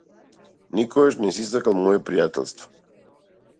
Никогаш не си сакал мое пријателство.